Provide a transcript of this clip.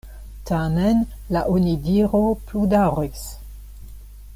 Tamen la onidiro pludaŭris.